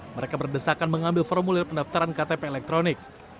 mereka berdesakan mengambil formulir pendaftaran ktp elektronik